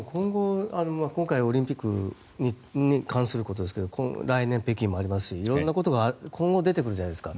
今回はオリンピックに関することですが来年は北京もありますし色んなことが今後出てくるじゃないですか。